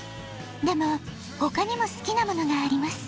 でもほかにも好きなものがあります。